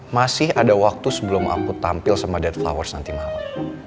masih ada waktu sebelum aku tampil sama deadlowers nanti malam